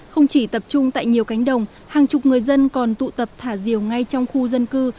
không chỉ tập trung tại nhiều cánh đồng hàng chục người dân còn tụ tập thả diều ngay trong khu dân cư